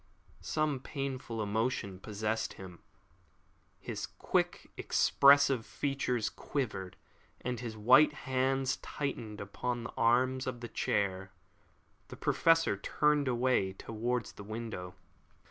Some painful emotion possessed him. His quick, expressive features quivered, and his white hands tightened upon the arms of the chair. The Professor turned away towards the window.